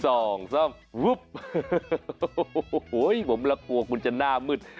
โอ้ยผมล่ะกลัวกูจะหน้ามืด